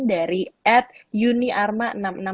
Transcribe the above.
dari at uniarma enam ribu enam ratus delapan puluh dua